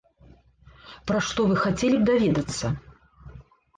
Пра што вы хацелі б даведацца?